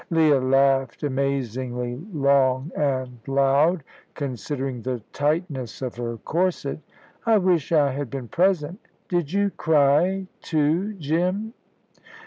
Leah laughed amazingly long and loud, considering the tightness of her corset. "I wish I had been present. Did you cry too, Jim?"